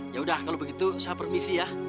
ya udah kalau begitu saya permisi ya